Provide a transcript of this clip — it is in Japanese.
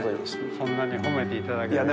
そんなに褒めていただけるなんて。